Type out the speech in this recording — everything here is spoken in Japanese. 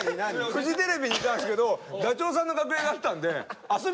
フジテレビにいたんですけどダチョウさんの楽屋があったんで遊びに行ったんですよ。